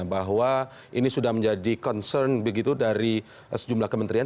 bahwa ini sudah menjadi concern begitu dari sejumlah kementerian